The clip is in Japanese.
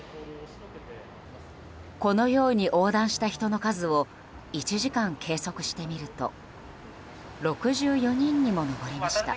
このように横断した人の数を１時間計測してみると６４人にも上りました。